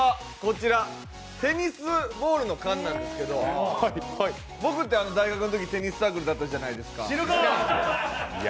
テニスボールの缶なんですけど、僕って大学のとき、テニスサークルだったじゃないですか。